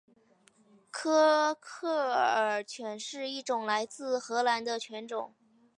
科克尔犬是一种来自荷兰的犬种。